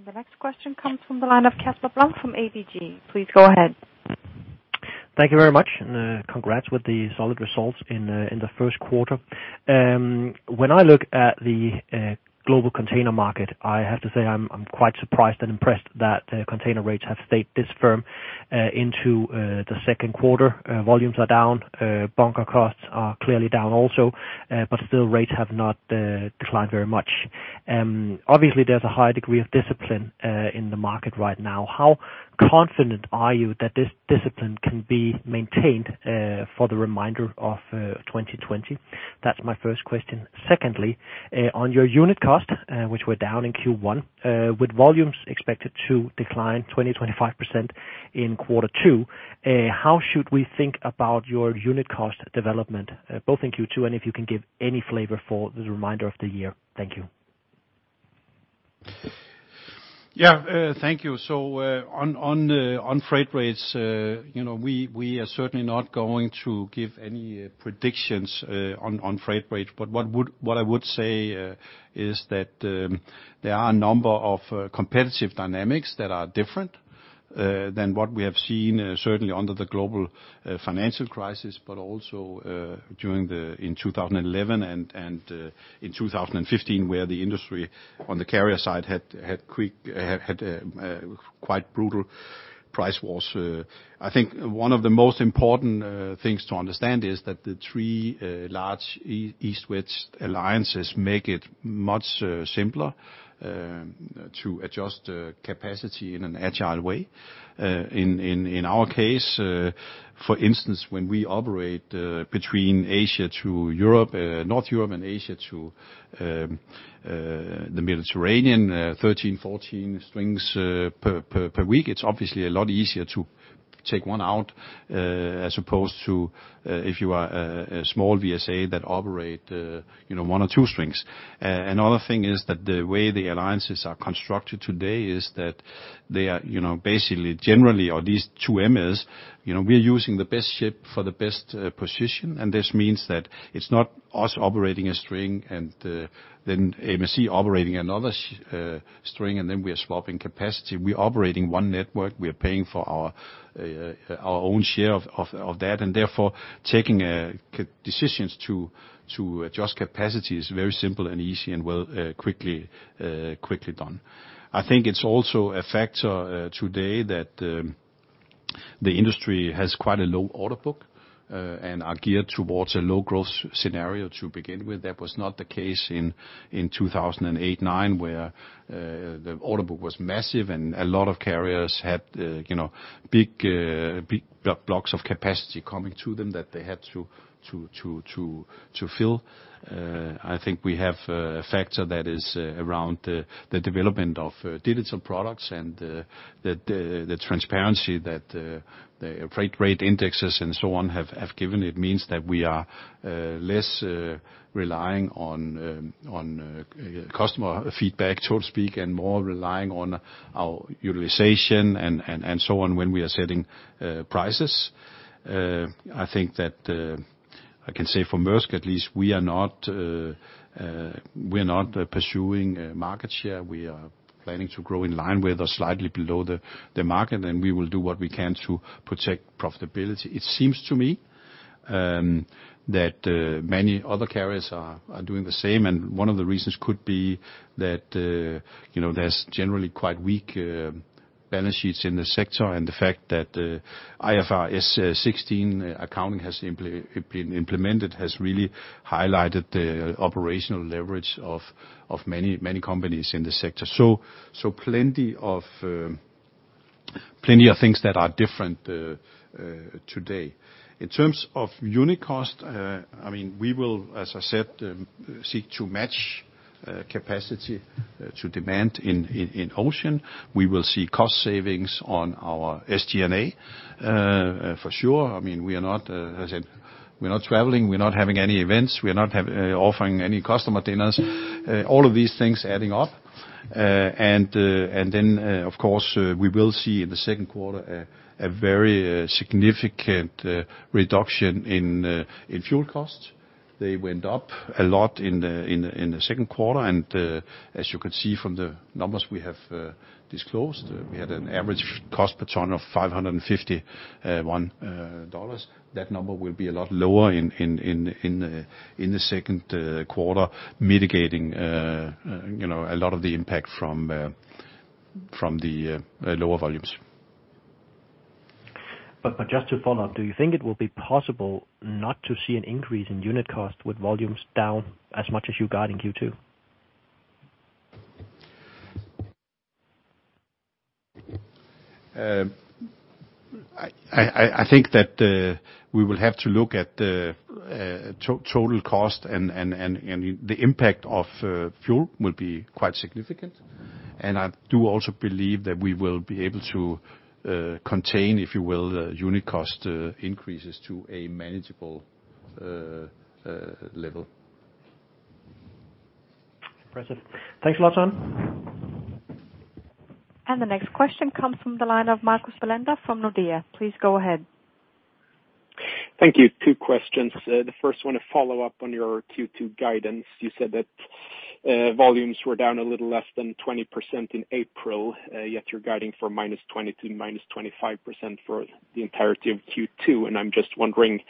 The next question comes from the line of Casper Blom from ABG. Please go ahead. Thank you very much. Congrats with the solid results in the first quarter. When I look at the global container market, I have to say I'm quite surprised and impressed that container rates have stayed this firm into the second quarter. Volumes are down. Bunker costs are clearly down also. Still, rates have not declined very much. Obviously, there's a high degree of discipline in the market right now. How confident are you that this discipline can be maintained for the remainder of 2020? That's my first question. Secondly, on your unit cost, which were down in Q1, with volumes expected to decline 20%-25% in quarter two, how should we think about your unit cost development, both in Q2 and if you can give any flavor for the remainder of the year? Thank you. Yeah. Thank you. On freight rates, we are certainly not going to give any predictions on freight rate. What I would say is that there are a number of competitive dynamics that are different than what we have seen, certainly under the global financial crisis, but also in 2011 and in 2015, where the industry on the carrier side had quite brutal price wars. I think one of the most important things to understand is that the three large East-West alliances make it much simpler to adjust capacity in an agile way. In our case, for instance, when we operate between Asia to Europe, North Europe and Asia to the Mediterranean, 13, 14 strings per week, it's obviously a lot easier to take one out, as opposed to if you are a small VSA that operate one or two strings. Another thing is that the way the alliances are constructed today is that they are basically, generally, or these 2Mers, we are using the best ship for the best position. This means that it's not us operating a string and then MSC operating another string, and then we are swapping capacity. We are operating one network. We are paying for our own share of that, therefore taking decisions to adjust capacity is very simple and easy and quickly done. I think it's also a factor today that the industry has quite a low order book and are geared towards a low growth scenario to begin with. That was not the case in 2008, 2009, where the order book was massive and a lot of carriers had big blocks of capacity coming to them that they had to fill. I think we have a factor that is around the development of digital products and the transparency that the freight rate indexes and so on have given. It means that we are less relying on customer feedback, so to speak, and more relying on our utilization and so on when we are setting prices. I think that I can say for Mærsk at least, we are not pursuing market share. We are planning to grow in line with or slightly below the market, and we will do what we can to protect profitability. It seems to me that many other carriers are doing the same, and one of the reasons could be that there's generally quite weak balance sheets in the sector, and the fact that the IFRS 16 accounting has been implemented has really highlighted the operational leverage of many companies in the sector. Plenty of things that are different today. In terms of unit cost, we will, as I said, seek to match capacity to demand in Ocean. We will see cost savings on our SG&A for sure. We are not traveling. We are not having any events. We are not offering any customer dinners. All of these things adding up. Of course, we will see in the second quarter a very significant reduction in fuel costs. They went up a lot in the second quarter, and as you can see from the numbers we have disclosed, we had an average cost per ton of $551. That number will be a lot lower in the second quarter, mitigating a lot of the impact from the lower volumes. Just to follow up, do you think it will be possible not to see an increase in unit cost with volumes down as much as you got in Q2? I think that we will have to look at the total cost and the impact of fuel will be quite significant. I do also believe that we will be able to contain, if you will, unit cost increases to a manageable level. Impressive. Thanks a lot, Søren. The next question comes from the line of Marcus Bellander from Nordea. Please go ahead. Thank you. Two questions. The first one, a follow-up on your Q2 guidance. You said that volumes were down a little less than 20% in April. You're guiding for -20% to -25% for the entirety of Q2. I'm just wondering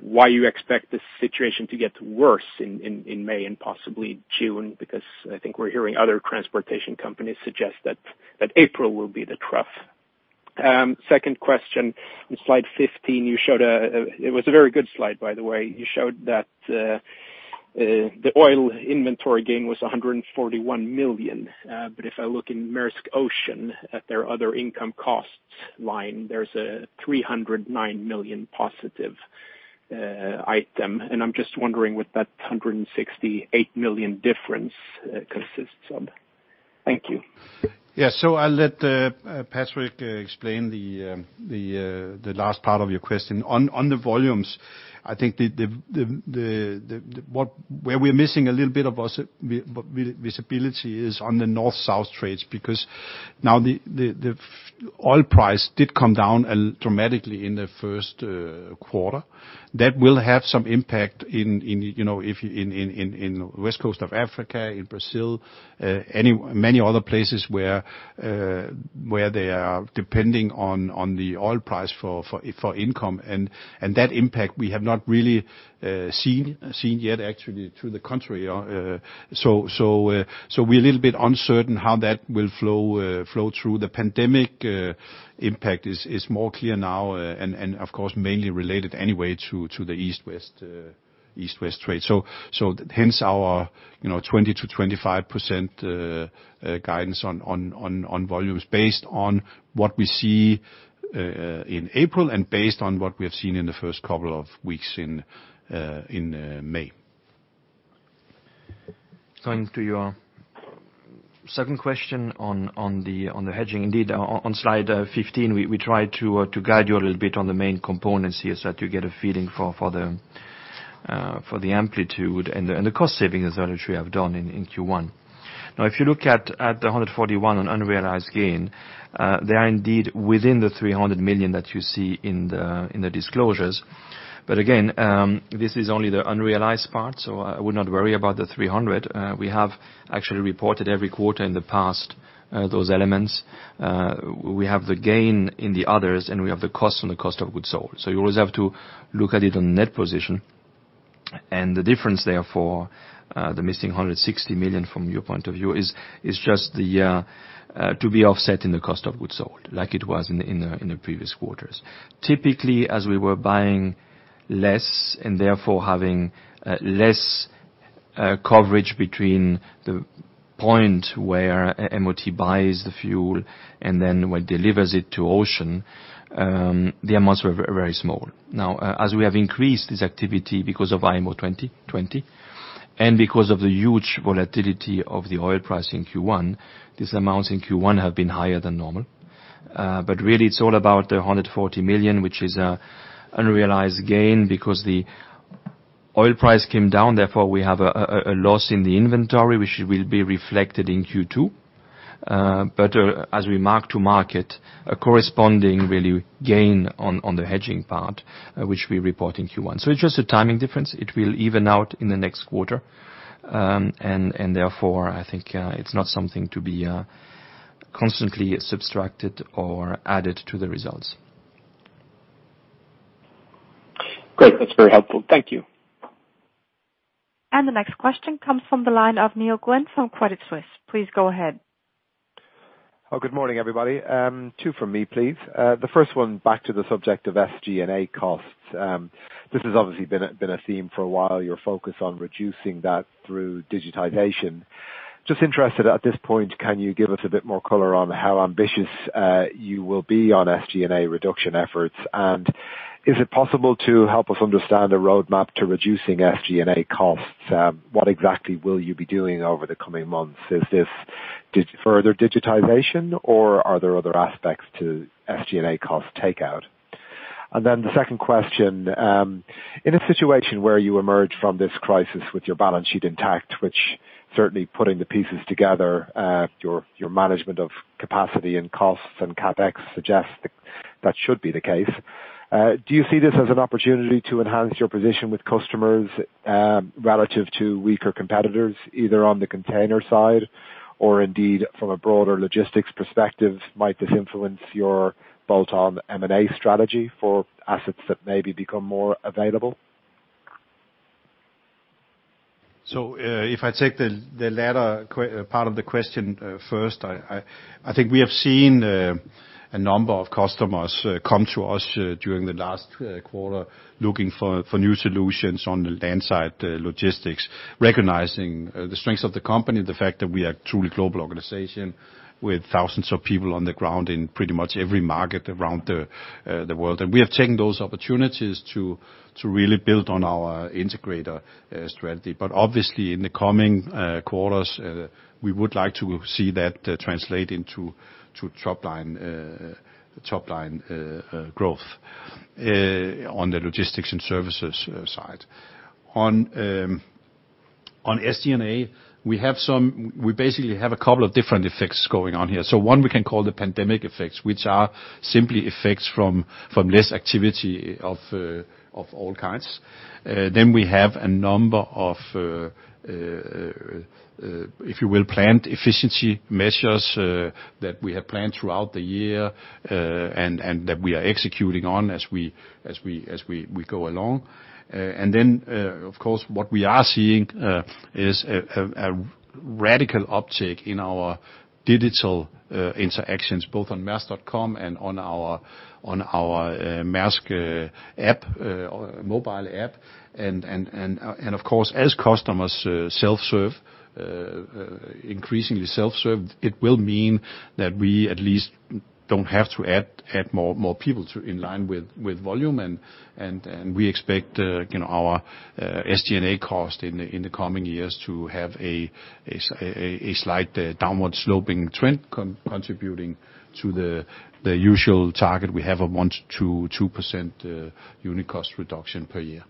why you expect the situation to get worse in May and possibly June, because I think we're hearing other transportation companies suggest that April will be the trough. Second question, on slide 15, it was a very good slide, by the way. You showed that the oil inventory gain was $141 million. If I look in Mærsk Ocean at their other income costs line, there's a $309 million positive item. I'm just wondering what that $168 million difference consists of. Thank you. Yeah. I'll let Patrick explain the last part of your question. On the volumes, I think where we're missing a little bit of our visibility is on the North-South trades, because now the oil price did come down dramatically in the first quarter. That will have some impact in West Coast of Africa, in Brazil, many other places where they are depending on the oil price for income, and that impact, we have not really seen yet actually through the country. We're a little bit uncertain how that will flow through. The pandemic impact is more clear now, and of course, mainly related anyway to the East-West trade. Hence our 20%-25% guidance on volumes based on what we see in April and based on what we have seen in the first couple of weeks in May. Going to your second question on the hedging. On slide 15, we tried to guide you a little bit on the main components here so that you get a feeling for the amplitude and the cost savings as well, which we have done in Q1. If you look at the $141 million on unrealized gain, they are indeed within the $300 million that you see in the disclosures. Again, this is only the unrealized part, so I would not worry about the $300. We have actually reported every quarter in the past, those elements. We have the gain in the others, we have the cost on the cost of goods sold. You always have to look at it on net position, and the difference therefore, the missing $160 million from your point of view is just to be offset in the cost of goods sold, like it was in the previous quarters. Typically, as we were buying less and therefore having less coverage between the point where Mærsk Oil Trading buys the fuel and then what delivers it to Ocean, the amounts were very small. Now, as we have increased this activity because of IMO 2020 and because of the huge volatility of the oil price in Q1, these amounts in Q1 have been higher than normal. Really it's all about the $140 million, which is unrealized gain because the oil price came down, therefore we have a loss in the inventory, which will be reflected in Q2. As we mark to market, a corresponding really gain on the hedging part, which we report in Q1. It's just a timing difference. It will even out in the next quarter. Therefore, I think it's not something to be constantly subtracted or added to the results. Great. That's very helpful. Thank you. The next question comes from the line of Neil Glynn from Credit Suisse. Please go ahead. Oh, good morning, everybody. Two from me, please. The first one, back to the subject of SG&A costs. This has obviously been a theme for a while, your focus on reducing that through digitization. Just interested at this point, can you give us a bit more color on how ambitious you will be on SG&A reduction efforts, and is it possible to help us understand a roadmap to reducing SG&A costs? What exactly will you be doing over the coming months? Is this further digitization, or are there other aspects to SG&A cost takeout? The second question, in a situation where you emerge from this crisis with your balance sheet intact, which certainly putting the pieces together, your management of capacity and costs and CapEx suggests that should be the case. Do you see this as an opportunity to enhance your position with customers, relative to weaker competitors, either on the container side or indeed from a broader logistics perspective, might this influence your bolt-on M&A strategy for assets that maybe become more available? If I take the latter part of the question first, I think we have seen a number of customers come to us during the last quarter looking for new solutions on the land side logistics, recognizing the strengths of the company, the fact that we are a truly global organization with thousands of people on the ground in pretty much every market around the world. We have taken those opportunities to really build on our integrator strategy. Obviously in the coming quarters, we would like to see that translate into top line growth on the logistics and services side. On SG&A, we basically have a couple of different effects going on here. One we can call the pandemic effects, which are simply effects from less activity of all kinds. We have a number of, if you will, planned efficiency measures that we have planned throughout the year, and that we are executing on as we go along. Of course, what we are seeing is a radical uptick in our digital interactions, both on maersk.com and on our Mærsk mobile app. Of course, as customers increasingly self-serve, it will mean that we at least don't have to add more people in line with volume, and we expect our SG&A cost in the coming years to have a slight downward sloping trend contributing to the usual target we have of 1%-2% unit cost reduction per year.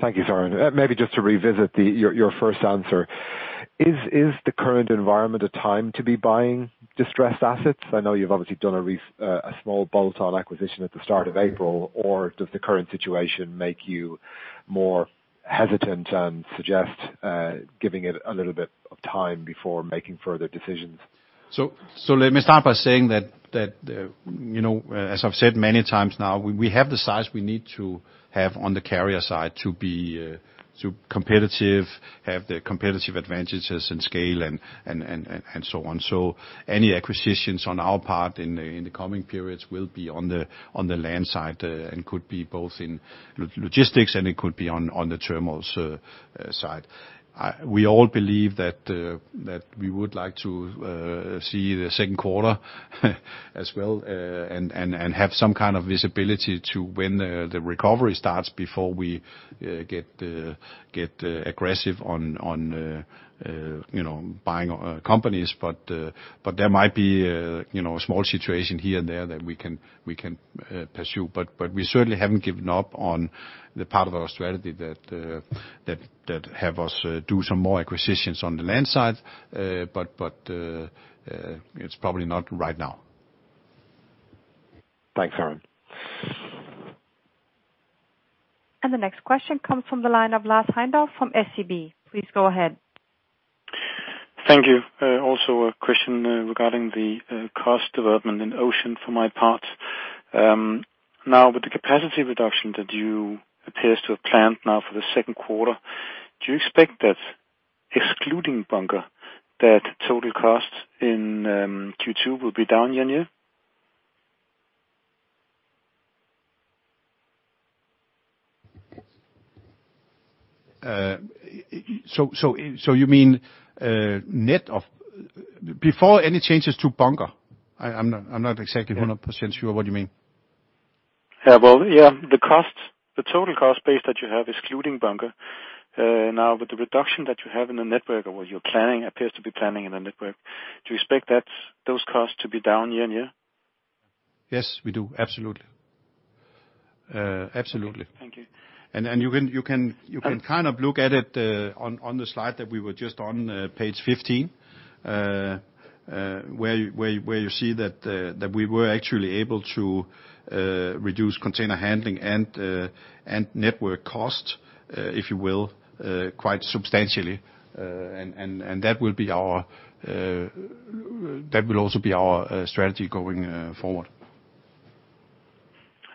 Thank you, Søren. Maybe just to revisit your first answer. Is the current environment a time to be buying distressed assets? I know you've obviously done a small bolt-on acquisition at the start of April. Does the current situation make you more hesitant and suggest giving it a little bit of time before making further decisions? Let me start by saying that, as I've said many times now, we have the size we need to have on the carrier side to be competitive, have the competitive advantages and scale and so on. Any acquisitions on our part in the coming periods will be on the land side, and could be both in logistics and it could be on the terminals side. We all believe that we would like to see the second quarter as well, and have some kind of visibility to when the recovery starts before we get aggressive on buying companies. There might be a small situation here and there that we can pursue. We certainly haven't given up on the part of our strategy that have us do some more acquisitions on the land side. It's probably not right now. Thanks, Søren. The next question comes from the line of Lars Heindorff from SEB. Please go ahead. Thank you. Also a question regarding the cost development in Ocean for my part. Now with the capacity reduction that you appear to have planned now for the second quarter, do you expect that excluding bunker, that total cost in Q2 will be down year-on-year? You mean net of before any changes to bunker? I'm not exactly 100% sure what you mean. Yeah. The total cost base that you have excluding bunker. With the reduction that you have in the network or what you appear to be planning in the network, do you expect those costs to be down year-on-year? Yes, we do. Absolutely. Thank you. You can kind of look at it on the slide that we were just on, page 15, where you see that we were actually able to reduce container handling and network costs, if you will, quite substantially. That will also be our strategy going forward.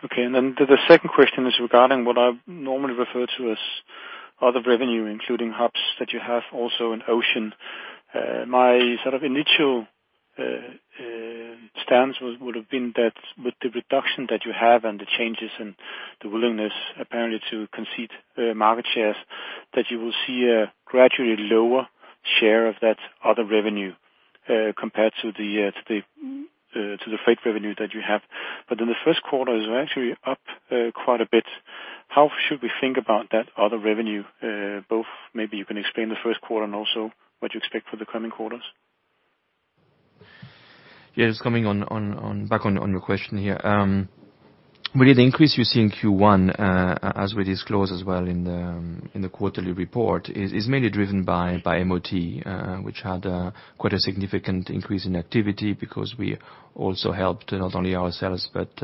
Okay. The second question is regarding what I normally refer to as other revenue, including hubs that you have also in Ocean. My sort of initial stance would've been that with the reduction that you have and the changes and the willingness apparently to concede market shares, that you will see a gradually lower share of that other revenue, compared to the freight revenue that you have. In the first quarter it was actually up quite a bit. How should we think about that other revenue? Both maybe you can explain the first quarter and also what you expect for the coming quarters. Yes. Coming back on your question here. With the increase you see in Q1, as we disclose as well in the quarterly report, is mainly driven by MOT, which had quite a significant increase in activity because we also helped not only ourselves but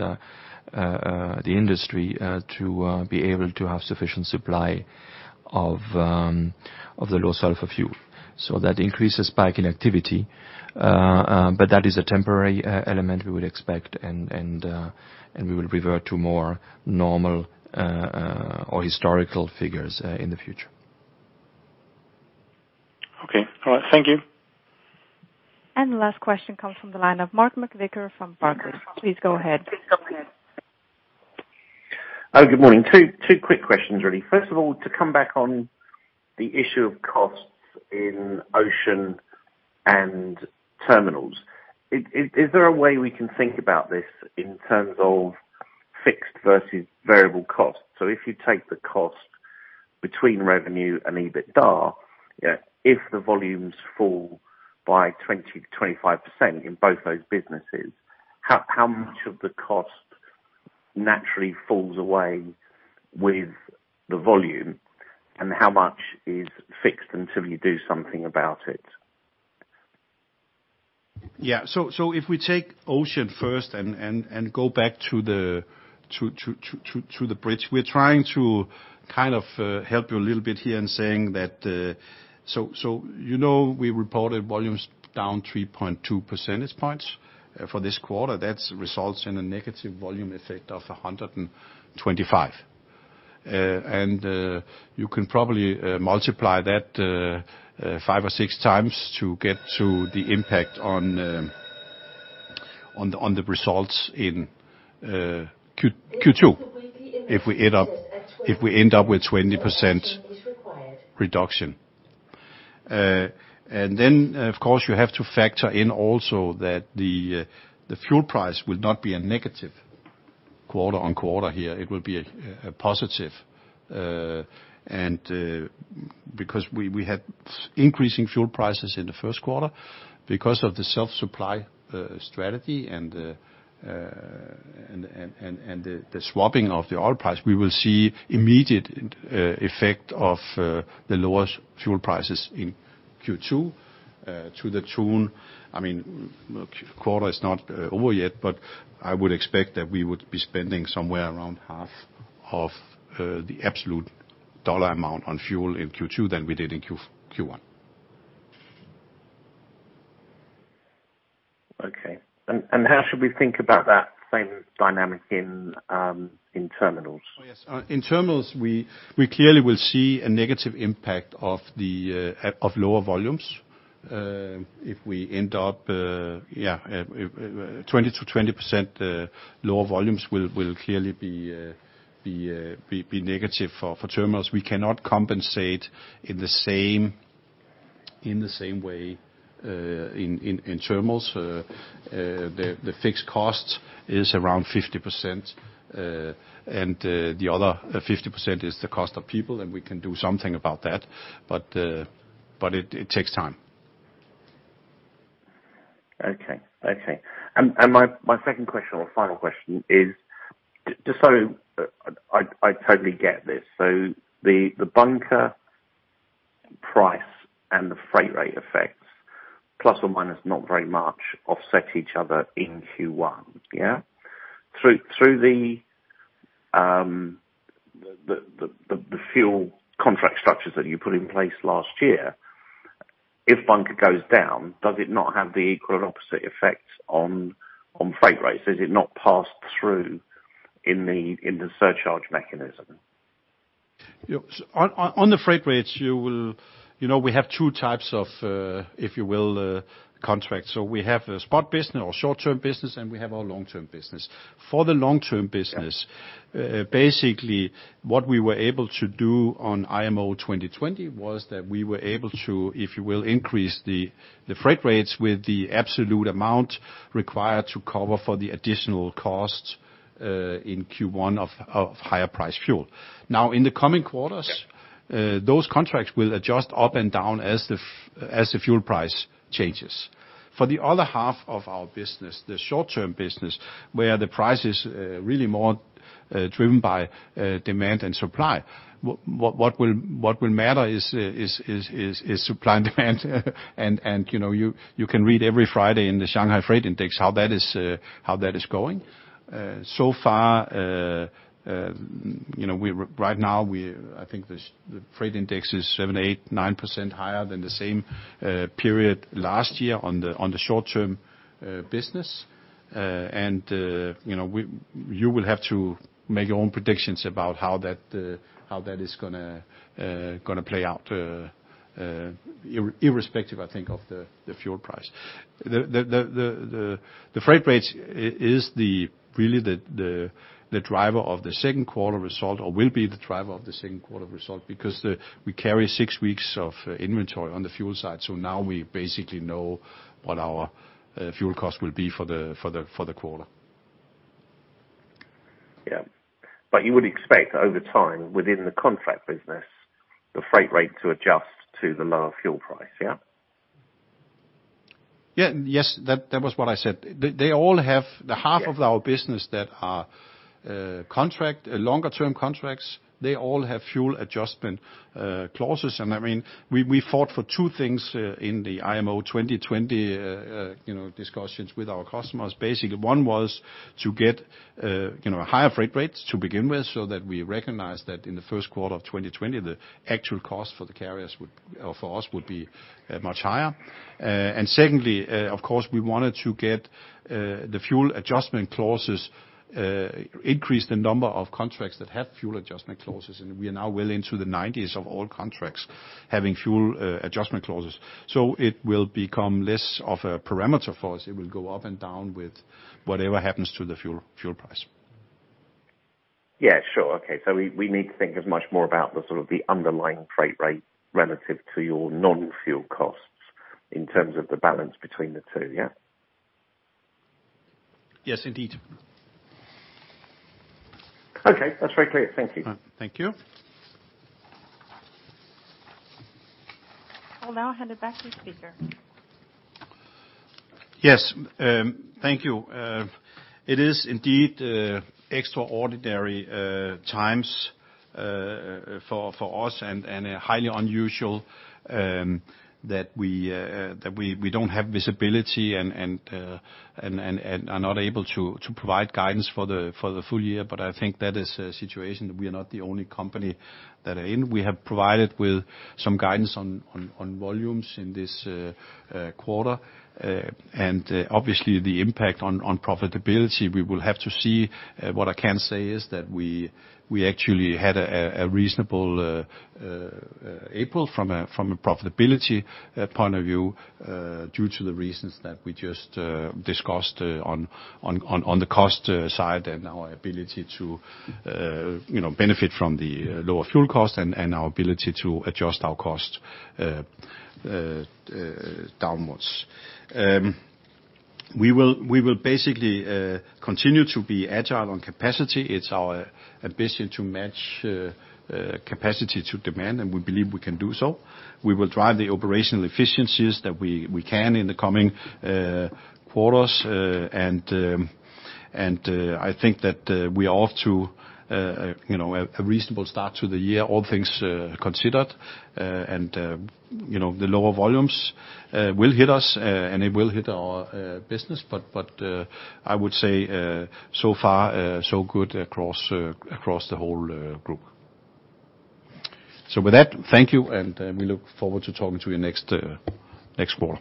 the industry, to be able to have sufficient supply of the low sulfur fuel. That increases spike in activity. That is a temporary element we would expect, and we will revert to more normal or historical figures in the future. Okay. All right. Thank you. The last question comes from the line of Mark McVicar from Barclays. Please go ahead. Oh, good morning. Two quick questions really. First of all, to come back on the issue of costs in Ocean and terminals. Is there a way we can think about this in terms of fixed versus variable costs? If you take the cost between revenue and EBITDA, if the volumes fall by 20%-25% in both those businesses, how much of the cost naturally falls away with the volume, and how much is fixed until you do something about it? Yeah. If we take Ocean first and go back to the bridge, we're trying to kind of help you a little bit here in saying that, so you know we reported volumes down 3.2 percentage points for this quarter. That results in a negative volume effect of $125. You can probably multiply that five or six times to get to the impact on the results in Q2, if we end up with 20% reduction. Of course you have to factor in also that the fuel price will not be a negative quarter-on-quarter here, it will be a positive. Because we have increasing fuel prices in the first quarter because of the self-supply strategy and the swapping of the oil price. We will see immediate effect of the lowest fuel prices in Q2 to the tune, quarter is not over yet, but I would expect that we would be spending somewhere around half of the absolute dollar amount on fuel in Q2 than we did in Q1. Okay. How should we think about that same dynamic in terminals? Oh, yes. In terminals, we clearly will see a negative impact of lower volumes. If we end up, 20%-20% lower volumes will clearly be negative for terminals. We cannot compensate in the same way in terminals. The fixed cost is around 50%, and the other 50% is the cost of people, and we can do something about that. It takes time. Okay. My second question or final question is, just so I totally get this, the bunker price and the freight rate effects, plus or minus not very much, offset each other in Q1, yeah? Through the fuel contract structures that you put in place last year, if bunker goes down, does it not have the equal and opposite effect on freight rates? Is it not passed through in the surcharge mechanism? On the freight rates, we have two types of, if you will, contracts. We have a spot business or short-term business, and we have our long-term business. For the long-term business, basically, what we were able to do on IMO 2020 was that we were able to, if you will, increase the freight rates with the absolute amount required to cover for the additional cost, in Q1, of higher price fuel. Now, in the coming quarters. Yeah. Those contracts will adjust up and down as the fuel price changes. For the other half of our business, the short-term business, where the price is really more driven by demand and supply, what will matter is supply and demand. You can read every Friday in the Shanghai Freight Index how that is going. Far, right now, I think the Freight Index is 7%, 8%, 9% higher than the same period last year on the short-term business. You will have to make your own predictions about how that is going to play out, irrespective, I think, of the fuel price. The freight rates is really the driver of the second quarter result or will be the driver of the second quarter result because we carry six weeks of inventory on the fuel side. Now we basically know what our fuel cost will be for the quarter. Yeah. You would expect over time within the contract business, the freight rate to adjust to the lower fuel price, yeah? Yeah. Yes, that was what I said. The half of our business that are longer term contracts, they all have fuel adjustment clauses. We fought for two things in the IMO 2020 discussions with our customers. Basically, one was to get higher freight rates to begin with so that we recognize that in the first quarter of 2020, the actual cost for the carriers or for us would be much higher. Secondly, of course, we wanted to get the fuel adjustment clauses, increase the number of contracts that have fuel adjustment clauses, and we are now well into the 90s of all contracts having fuel adjustment clauses. It will become less of a parameter for us. It will go up and down with whatever happens to the fuel price. Yeah, sure. Okay. We need to think as much more about the sort of the underlying freight rate relative to your non-fuel costs in terms of the balance between the two, yeah? Yes, indeed. Okay. That's very clear. Thank you. Thank you. I'll now hand it back to speaker. Yes. Thank you. It is indeed extraordinary times for us and highly unusual, that we don't have visibility and are not able to provide guidance for the full year, but I think that is a situation that we are not the only company that are in. We have provided with some guidance on volumes in this quarter. Obviously, the impact on profitability, we will have to see. What I can say is that we actually had a reasonable April from a profitability point of view, due to the reasons that we just discussed on the cost side and our ability to benefit from the lower fuel cost and our ability to adjust our cost downwards. We will basically continue to be agile on capacity. It's our ambition to match capacity to demand, and we believe we can do so. We will drive the operational efficiencies that we can in the coming quarters. I think that we are off to a reasonable start to the year, all things considered. The lower volumes will hit us, and it will hit our business, but I would say so far so good across the whole group. With that, thank you and we look forward to talking to you next quarter.